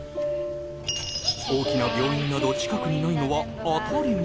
大きな病院など近くにないのは当たり前。